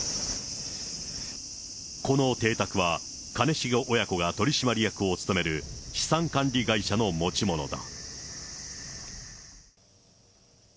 この邸宅は兼重親子が取締役を務める資産管理会社の持ち物だ。